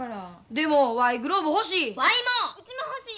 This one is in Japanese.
でもわいグローブ欲しい。